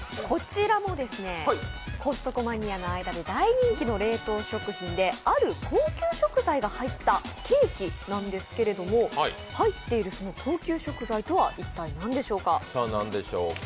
こちらもコストコマニアの間で大人気の冷凍食品である高級食材が入ったケーキなんですけれども、入っている高級食材とは一体何でしょうか？